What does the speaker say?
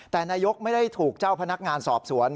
แต่นายกไม่ได้ถูกเจ้าพนักงานสอบสวน